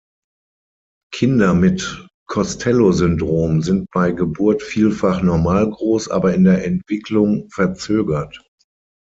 Kinder mit Costello-Syndrom sind bei Geburt vielfach normal groß, aber in der Entwicklung verzögert.